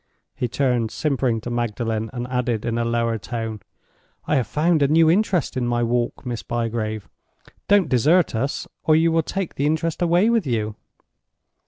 He turned simpering to Magdalen, and added, in a lower tone: "I have found a new interest in my walk, Miss Bygrave. Don't desert us, or you will take the interest away with you."